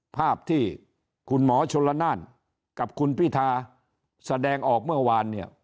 ภาพที่คุณหมอชลนั่นกับคุณพิทาแสดงออกเมื่อวาน